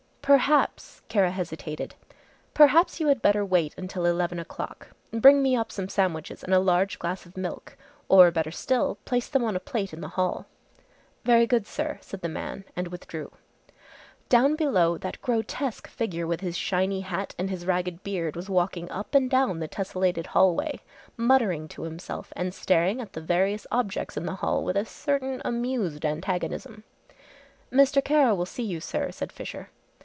"Perhaps" Kara hesitated, "perhaps you had better wait until eleven o'clock. Bring me up some sandwiches and a large glass of milk. Or better still, place them on a plate in the hall." "Very good, sir," said the man and withdrew. Down below, that grotesque figure with his shiny hat and his ragged beard was walking up and down the tesselated hallway muttering to himself and staring at the various objects in the hall with a certain amused antagonism. "Mr. Kara will see you, sir," said Fisher.